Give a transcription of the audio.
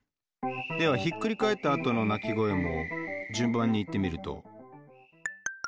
ではひっくり返ったあとの鳴き声も順番に言ってみると？